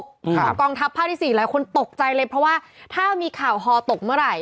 ของกองทัพภาคที่๔หลายคนตกใจเลยเพราะว่าถ้ามีข่าวฮอตกเมื่อไหร่